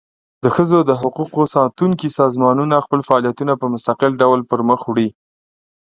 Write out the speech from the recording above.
د ښځو د حقوقو ساتونکي سازمانونه خپل فعالیتونه په مستقل ډول پر مخ وړي.